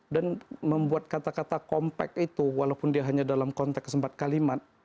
dan membuat kata kata kompak itu walaupun dia hanya dalam konteks empat kalimat